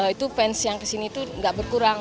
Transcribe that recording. itu fans yang ke sini itu gak berkurang